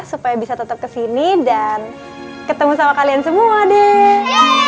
supaya bisa tetap kesini dan ketemu sama kalian semua deh